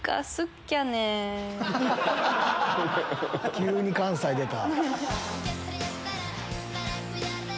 急に関西出た。